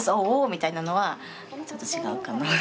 みたいなのはちょっと違うかな。